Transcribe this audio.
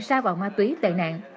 sao vào ma túy tài nạn